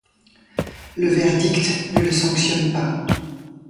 Le verdict ne le sanctionne pas.